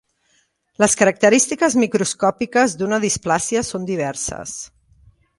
Les característiques microscòpiques d'una displàsia són diverses.